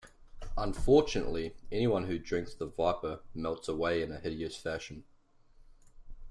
Unfortunately, anyone who drinks the Viper melts away in a hideous fashion.